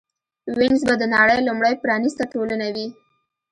وینز به د نړۍ لومړۍ پرانېسته ټولنه وي